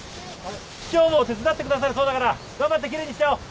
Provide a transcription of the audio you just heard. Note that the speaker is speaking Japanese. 市長も手伝ってくださるそうだから頑張って奇麗にしちゃおう。